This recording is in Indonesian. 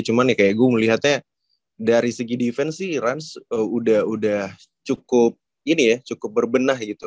cuman ya kayak gue ngelihatnya dari segi defense sih ranz udah cukup ini ya cukup berbenah gitu